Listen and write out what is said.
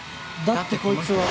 だってこの人は。